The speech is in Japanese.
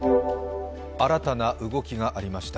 新たな動きがありました。